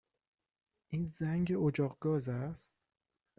این زنگ اجاق گاز هست؟